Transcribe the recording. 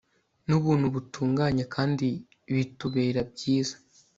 nubuntu butunganye, kandi bitubera byiza